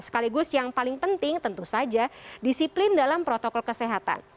sekaligus yang paling penting tentu saja disiplin dalam protokol kesehatan